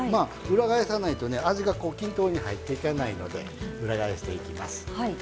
裏返さないと味が均等に入っていかないので裏返していきます。